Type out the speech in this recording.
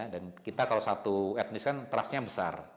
dan kita kalau satu etnis kan trustnya besar